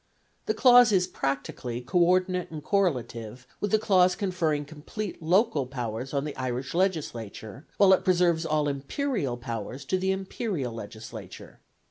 The clause is practically co ordinate and correlative with the clause conferring complete local powers on the Irish Legislature, while it preserves all imperial powers to the Imperial Legislature.